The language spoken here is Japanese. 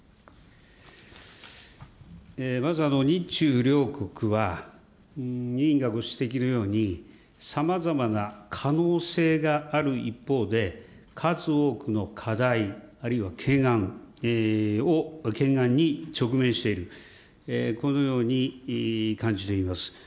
まず、日中両国は委員がご指摘のように、さまざまな可能性がある一方で、数多くの課題、あるいは懸案を、懸案に直面している、このように感じています。